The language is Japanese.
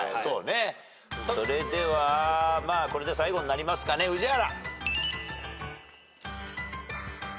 それではこれで最後になりますかね宇治原。